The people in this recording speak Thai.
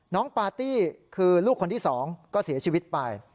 ปาร์ตี้คือลูกคนที่๒ก็เสียชีวิตไป